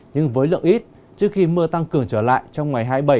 nhưng với lượng ít trước khi mưa tăng cường trở lại trong ngày hai mươi bảy